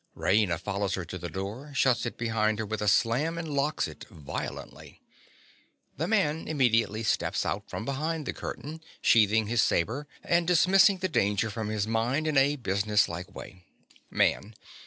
Raina follows her to the door, shuts it behind her with a slam, and locks it violently. The man immediately steps out from behind the curtain, sheathing his sabre, and dismissing the danger from his mind in a businesslike way._) MAN.